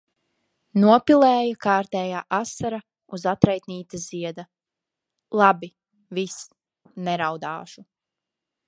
Nopilēja kārtēja asara uz atraitnītes zieda. Labi, viss, neraudāšu.